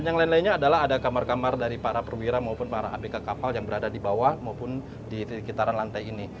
dan yang lain lainnya adalah ada kamar kamar dari para perwira maupun para abk kapal yang berada di bawah maupun di sekitaran lantai ini